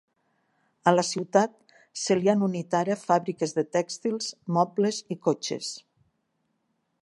A la ciutat se li han unit ara fàbriques de tèxtils, mobles i cotxes.